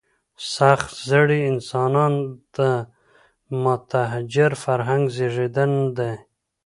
سخت زړي انسانان د متحجر فرهنګ زېږنده دي.